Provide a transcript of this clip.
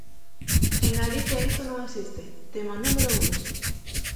En Galicia iso non existe, tema número un.